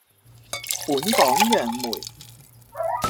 本港楊梅